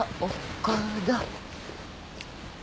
岡田。